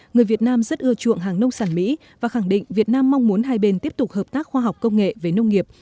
người việt nam rất ưa chuộng hàng nông sản mỹ và khẳng định việt nam mong muốn hai bên tiếp tục hợp tác khoa học công nghệ về nông nghiệp